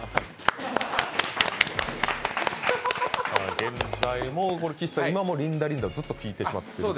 現在も、今も「リンダリンダ」をずっと聴いてしまっているという。